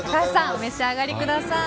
お召し上がりください。